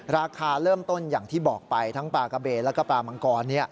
ราคาเริ่มต้นอย่างที่บอกไปทั้งปลากะเบแล้วก็ปลามังกร